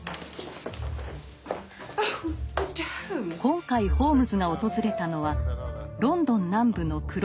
今回ホームズが訪れたのはロンドン南部のクロイドン。